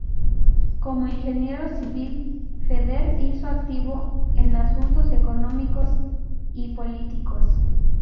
Como ingeniero civil, Feder se hizo activo en asuntos económicos y políticos.